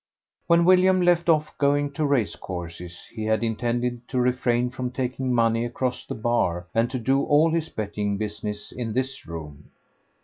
When William left off going to race courses he had intended to refrain from taking money across the bar and to do all his betting business in this room.